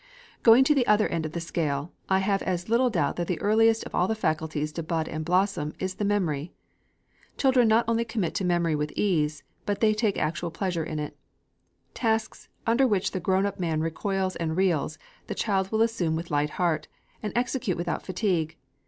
Going to the other end of the scale, I have as little doubt that the earliest of all the faculties to bud and blossom, is the Memory. Children not only commit to memory with ease, but they take actual pleasure in it. Tasks, under which the grown up man recoils and reels, the child will assume with light heart, and execute without fatigue.